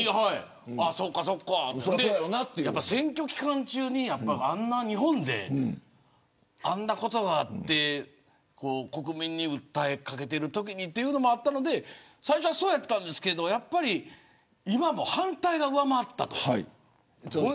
選挙期間中に日本であんなことがあって国民に訴えかけているときにというのもあったので最初はそうやったんですけれども今は、もう反対が上回ったと。